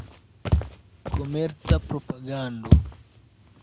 Komerca propagando.